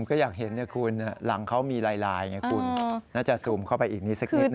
ผมก็อยากเห็นคุณหลังเขามีลายน่าจะซูมเข้าไปอีกนิดสักนิดหนึ่งนะครับ